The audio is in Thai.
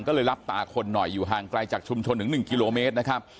ก็เลยรับตาคนหน่อยอยู่ห่างไกลจากชุมชนถึง๑กิโลเมตรนะครับ